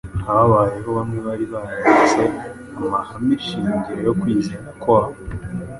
habayeho bamwe bari bararetse amahame shingiro yo kwizera kwabo.